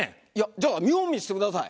じゃあ見本見せてください。